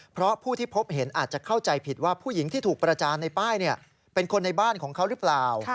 เพราะผู้ที่พบเห็นอาจจะเข้าใจผิดว่าผู้หญิงที่ถูกประจานในป้ายเป็นคนในบ้านของเขาหรือเปล่า